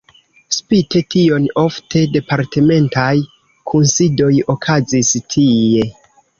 Spite tion ofte departementaj kunsidoj okazis tie.